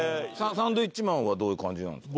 サンドウィッチマンはどういう感じなんですか？